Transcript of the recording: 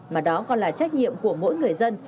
mà đó còn là trách nhiệm của mỗi người dân